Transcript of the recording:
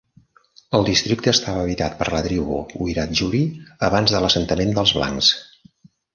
El districte estava habitat per la tribu Wiradjuri abans de l'assentament dels blancs.